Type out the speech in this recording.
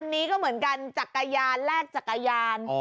อันนี้ก็เหมือนกันจักรยานแลกจักรยาน